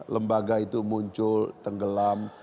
lembaga itu muncul tenggelam